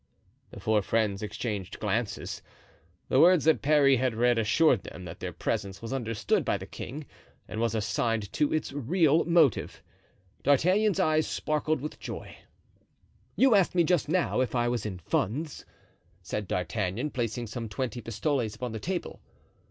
'" The four friends exchanged glances. The words that Parry had read assured them that their presence was understood by the king and was assigned to its real motive. D'Artagnan's eyes sparkled with joy. "You asked me just now if I was in funds," said D'Artagnan, placing some twenty pistoles upon the table.